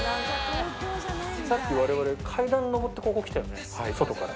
さっき我々階段上ってここ来たよね外から。